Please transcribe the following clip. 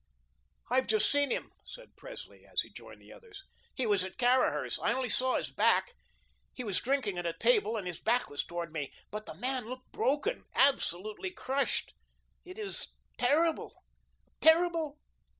"I've just seen him," said Presley, as he joined the others. "He was at Caraher's. I only saw his back. He was drinking at a table and his back was towards me. But the man looked broken absolutely crushed. It is terrible, terrible."